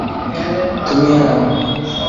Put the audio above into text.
তুমি আর আমি।